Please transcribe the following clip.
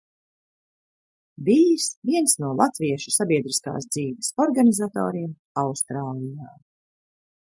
Bijis viens no latviešu sabiedriskās dzīves organizatoriem Austrālijā.